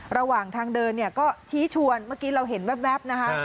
ระหว่างทางเดินเนี่ยก็ชี้ชวนเมื่อกี้เราเห็นแว๊บนะคะ